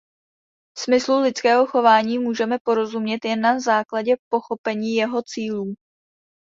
Smyslu lidského chování můžeme porozumět jen na základě pochopení jeho cílů.